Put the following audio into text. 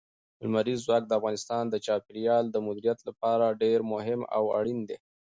لمریز ځواک د افغانستان د چاپیریال د مدیریت لپاره ډېر مهم او اړین دي.